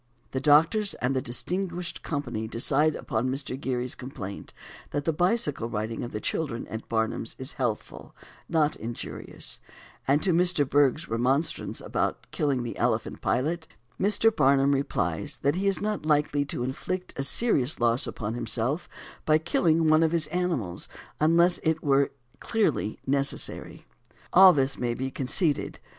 The doctors and the distinguished company decide upon Mr. Gerry's complaint that the bicycle riding of the children at Barnum's is healthful and not injurious; and to Mr. Bergh's remonstrance about killing the elephant Pilot, Mr. Barnum replies that he is not likely to inflict a serious loss upon himself by killing one of his animals unless it were clearly necessary. All this may be conceded.